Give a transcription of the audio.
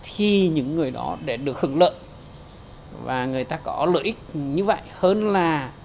thì những người đó để được hưởng lợi và người ta có lợi ích như vậy hơn là